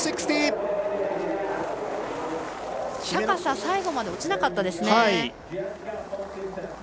高さ、最後まで落ちなかったです。